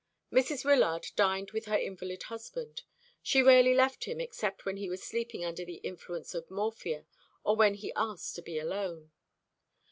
Mrs. Wyllard dined with her invalid husband. She rarely left him except when he was sleeping under the influence of morphia, or when he asked to be alone.